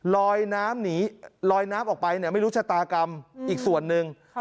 ลอยน้ำออกไปไม่รู้ชะตากรรมอีกส่วนหนึ่ง